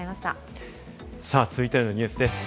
続いてのニュースです。